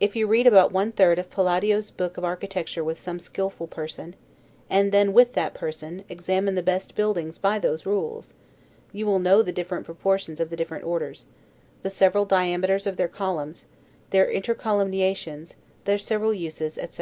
If you read about one third of Palladio's book of architecture with some skillful person, and then, with that person, examine the best buildings by those rules, you will know the different proportions of the different orders; the several diameters of their columns; their intercolumniations, their several uses, etc.